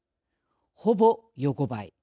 ほぼ横ばい。